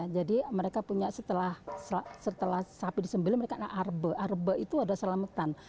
jadi mereka punya setelah sapi disembeli mereka ada arbe arbe itu ada selamatan